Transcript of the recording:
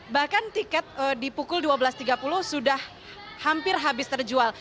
bahkan tiket di pukul dua belas tiga puluh sudah hampir habis terjual